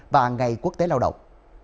và ngày quốc tế lao động